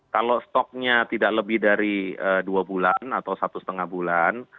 kalau stoknya tidak lebih dari dua bulan atau satu setengah bulan